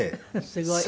すごい。